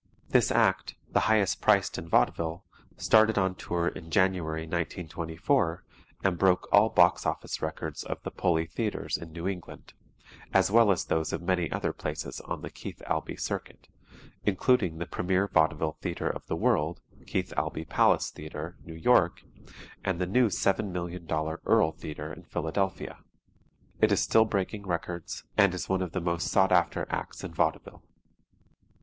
This act, the highest priced in vaudeville, started on tour in January, 1924, and broke all box office records of the Poli Theatres in New England, as well as those of many other theatres on the Keith Albee Circuit, including the premiere vaudeville theatre of the world, Keith Albee Palace Theatre, New York, and the new $7,000,000 Earle Theatre in Philadelphia. It is still breaking records, and is one of the most sought after acts in vaudeville.